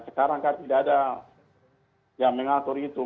sekarang kan tidak ada yang mengatur itu